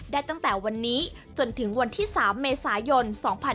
ตั้งแต่วันนี้จนถึงวันที่๓เมษายน๒๕๖๒